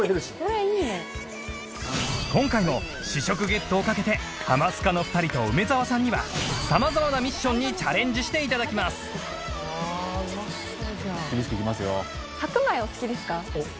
今回も試食ゲットをかけてハマスカの２人と梅澤さんには様々なミッションにチャレンジして頂きますですよね。